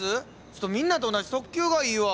ちょっとみんなと同じ特急がいいわ。